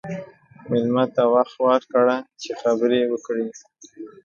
مېلمه ته وخت ورکړه چې خبرې وکړي.